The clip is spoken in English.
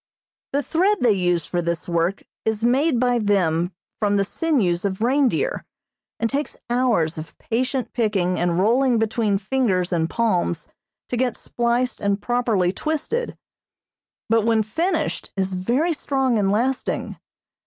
The thread they use for this work is made by them from the sinews of reindeer, and takes hours of patient picking and rolling between fingers and palms to get spliced and properly twisted, but when finished is very strong and lasting.